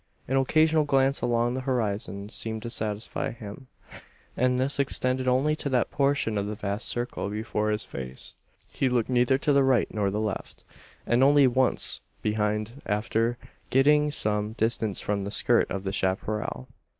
An occasional glance along the horizon seemed to satisfy him; and this extended only to that portion of the vast circle before his face. He looked neither to the right nor the left; and only once behind after getting some distance from the skirt of the chapparal.